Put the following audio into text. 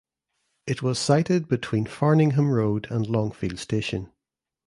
It was sited between Farningham Road and Longfield station.